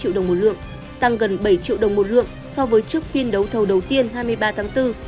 giá vàng miếng sgc tăng gần bảy triệu đồng một lượng so với trước phiên đấu thầu đầu tiên hai mươi ba tháng bốn